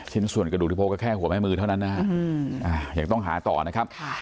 ส่วนกระดูกที่พบก็แค่หัวแม่มือเท่านั้นนะฮะยังต้องหาต่อนะครับ